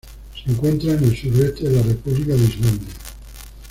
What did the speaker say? Se encuentra en el suroeste de la República de Islandia.